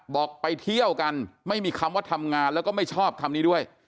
บอกไปเที่ยวกันไม่มีคำว่าทำงานแล้วก็ไม่ชอบคำนี้ด้วย